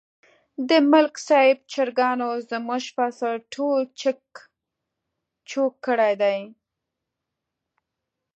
د ملک صاحب چرگانو زموږ فصل ټول چک چوک کړی دی.